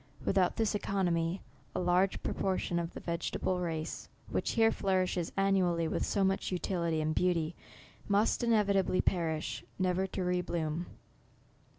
Without this eco nomy, a large proportion of the vegetable race, which here flourishes annually with so much utility and beauty, must inevitably pe rish, never to re bloom.